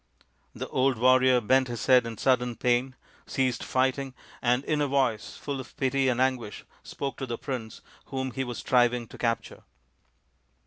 The old warrior bent his head in sudden pain, ceased fighting, and in a voice full of pity and anguish spoke to the prince whom he was striving to capture.